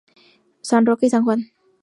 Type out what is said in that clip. San Roque y San Juan.